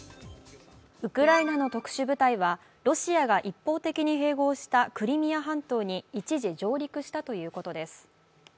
ウクライナの特殊部隊はロシアが一方的に侵略したクリミア半島に一時、上陸したということです。